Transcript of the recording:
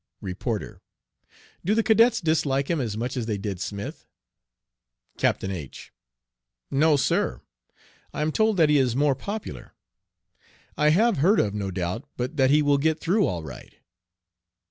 "Reporter. Do the cadets dislike him as much as they did Smith? "Captain H . No, sir; I am told that he is more popular. I have heard of no doubt but that he will get through all right."